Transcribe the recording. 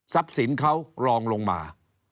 ทรัพย์สิงเท่ารองลงมา